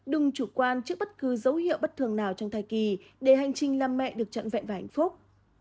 đừng chủ quan trước bất cứ dấu hiệu bất thường nào trong thời kỳ để hành trình làm mẹ được trọn vẹn và hạnh phúc